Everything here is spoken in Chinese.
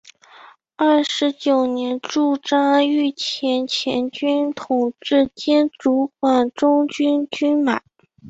二十九年驻扎御前前军统制兼主管中军军马。